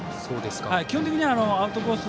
基本的にはアウトコース